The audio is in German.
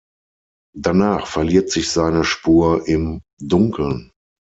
Danach verliert sich seine Spur im Dunkeln.